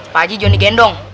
pak ji johnny gendong